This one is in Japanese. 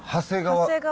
長谷川